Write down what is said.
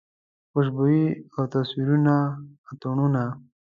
خوشبويي او تصویرونه اتڼونه